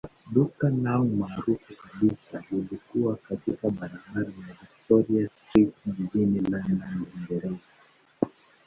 Duka lao maarufu kabisa lilikuwa katika barabara ya Victoria Street jijini London, Uingereza.